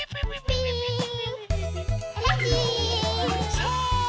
さあ！